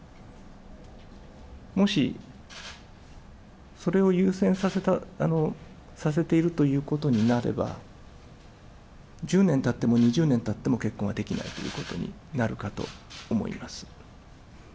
もし、それを優先させているということになれば、１０年たっても２０年たっても、結婚はできないということになるかと思います。